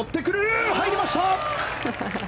入りました！